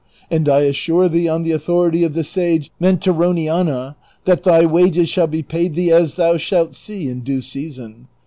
and I assure thee, on the authority of the sage Mentironiana/ that thy wages shall be paid thee as thou shalt see in due season.